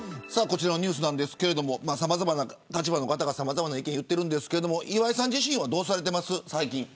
こちらのニュースですがさまざまな立場の方がさまざまな意見を言っていますが岩井さん自身はどうしていますか最近。